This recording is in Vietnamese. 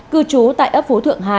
cư trú tại ấp phú thượng hai